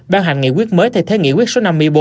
ban hành nghị quyết mới thay thế nghị quyết số năm